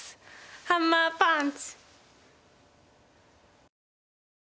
ハンマーパンチ！